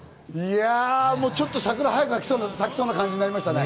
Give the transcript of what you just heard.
ちょっと桜が早く咲きそうな感じがしたね。